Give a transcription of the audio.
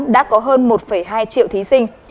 đã có hơn một hai triệu thí sinh